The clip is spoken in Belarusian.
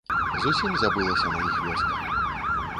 Зусім забылася на іх вёска.